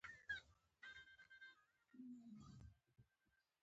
دا ساحل د مریانو بازار سره کومه اړیکه نه لرله.